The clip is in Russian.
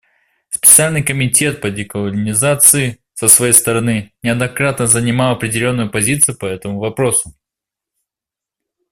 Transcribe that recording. Специальный комитет по деколонизации, со своей стороны, неоднократно занимал определенную позицию по этому вопросу.